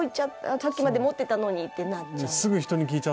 さっきまで持ってたのにってなっちゃう。